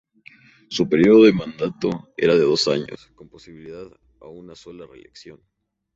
Su periodo de mandato era de dos años con posibilidad a una sola reelección.